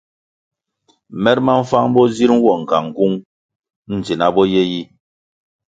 Mer ma mfang bo zir nwo ngangung ndzina bo ye yi.